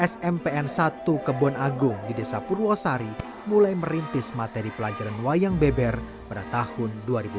smpn satu kebon agung di desa purwosari mulai merintis materi pelajaran wayang beber pada tahun dua ribu dua belas